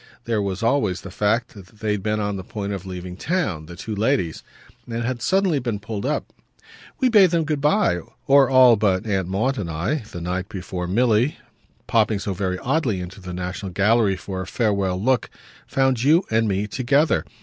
There was always the fact that they had been on the point of leaving town, the two ladies, and had suddenly been pulled up. "We bade them good bye or all but Aunt Maud and I, the night before Milly, popping so very oddly into the National Gallery for a farewell look, found you and me together.